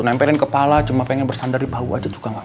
nempelin kepala cuman pengen bersandaripahu aja juga constance